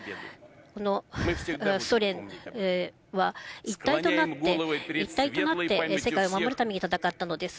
このソ連は一体となって、一体となって世界を守るために戦ったのです。